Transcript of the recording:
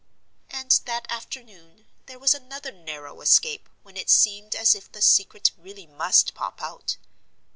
And that afternoon, there was another narrow escape, when it seemed as if the secret really must pop out.